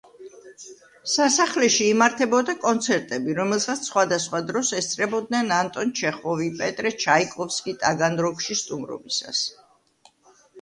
სასახლეში იმართებოდა კონცერტები, რომელსაც სხვადასხვა დროს ესწრებოდნენ ანტონ ჩეხოვი, პეტრე ჩაიკოვსკი ტაგანროგში სტუმრობისას.